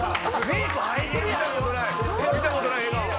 見たことない笑顔。